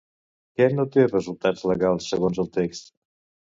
Què no té resultats legals segons el text?